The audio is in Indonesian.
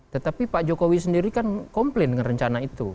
tetapi pak jokowi sendiri kan komplain dengan rencana itu